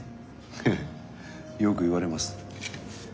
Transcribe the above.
ええよく言われます。